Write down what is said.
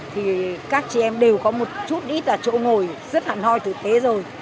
thì các chị em đều có một chút ít là chỗ ngồi rất hẳn hoi thực tế rồi